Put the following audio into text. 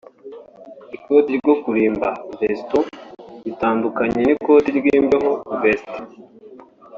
Ikoti ryo kurimba (veston) ritandukanye n’ikoti ry’imbeho (veste)